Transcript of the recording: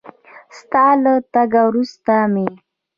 ستا له تګ وروسته مې